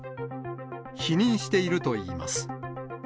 否認しているといいます。